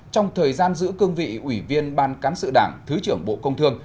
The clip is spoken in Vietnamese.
trong thời gian giữ cương vị ủy viên ban cán sự đảng thứ trưởng bộ công thương